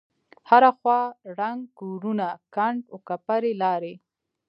هره خوا ړنگ کورونه کند وکپرې لارې.